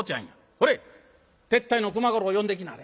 これ手伝いの熊五郎呼んできなはれ。